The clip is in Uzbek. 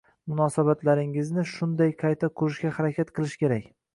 Munosabatlaringizni shunday qayta qurishga harakat qilish kerak.